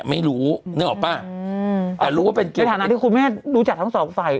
ไม่รู้นึกออกปะอืมแต่รู้ว่าเป็นเกี่ยวในฐานะที่คุณแม่นรู้จักทั้งสองฝ่าย